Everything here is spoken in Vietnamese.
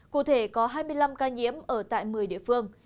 cụ thể có hai mươi năm ca nhiễm ở tại một mươi địa phương